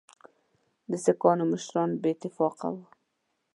د سیکهانو مشران بې اتفاقه وه.